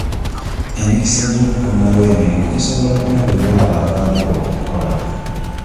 Emikisa gy'okutondawo emirimu gisobola kulabibwa abo abaagala okukola.